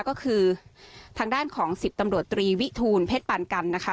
ก็คือทางด้านของ๑๐ตำรวจตรีวิทูลเพชรปานกันนะคะ